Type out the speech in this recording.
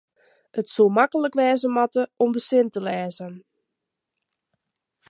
it soe maklik wêze moatte om de sin te lêzen